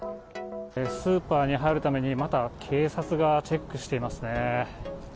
スーパーに入るために、また警察がチェックしていますね。